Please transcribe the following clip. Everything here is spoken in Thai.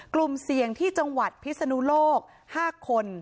กลุ่มเสี่ยงที่จังหวัดพิศนุโลก๕คน